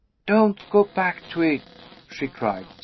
"Don't go back to it!" she cried.